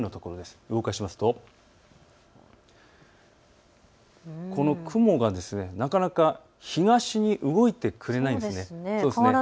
動かしますとこの雲がなかなか東に動いてくれないんです。